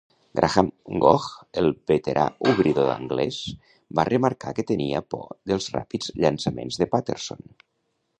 Graham Gooch, el veterà obridor anglès, va remarcar que tenia por dels ràpids llançaments de Patterson.